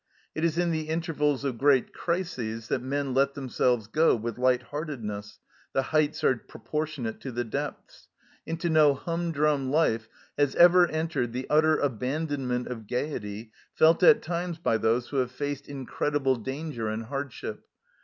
It is in the intervals of great crises that men let themselves go with light heartedness ; the heights are proportionate to the depths. Into no humdrum life has ever entered the utter abandonment of gaiety felt at times by those who have faced in VARIED LIFE IN PERVYSE 143 credible danger and hardship.